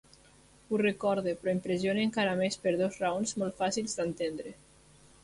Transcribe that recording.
Ho recorda, però impressiona encara més per dues raons molt fàcils d'entendre.